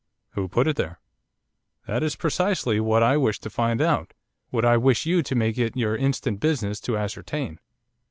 'Who put it there?' 'That is precisely what I wish you to find out, what I wish you to make it your instant business to ascertain.